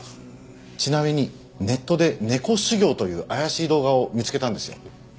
ちなみにネットで「ネコ修行」という怪しい動画を見つけたんですよ。